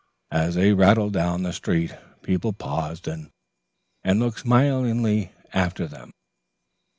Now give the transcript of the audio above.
As they rattled down the street people paused and looked smilingly after them.